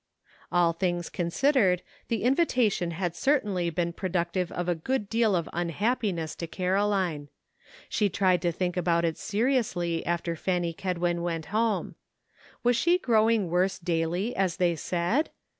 All things considered, the invitation had cer tainly been productive of a good deal of un happiness to Caroline. She tried to think about it seriously after Fanny Kedwin went home. Was she growing worse daily, as they said?